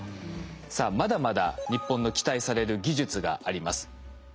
さあまだまだ日本の期待される技術があります。